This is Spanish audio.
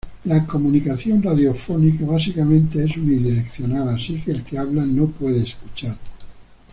La comunicación radiofónica básicamente es unidireccional, así que el que habla no puede escuchar.